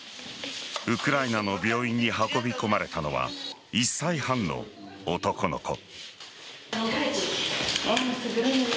ウクライナの病院に運び込まれたのは１歳半の男の子。